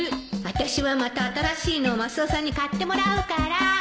あたしはまた新しいのマスオさんに買ってもらうから